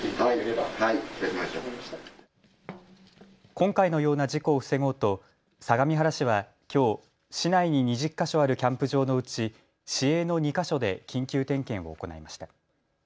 今回のような事故を防ごうと相模原市はきょう市内に２０か所あるキャンプ場のうち市営の２か所で緊急点検を行いました。